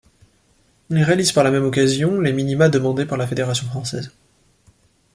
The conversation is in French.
Il réalise par la même occasion les minima demandés par la Fédération française.